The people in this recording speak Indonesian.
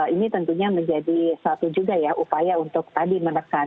ini tentunya menjadi satu juga ya upaya untuk tadi menekan